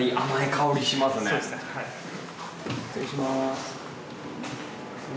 失礼します。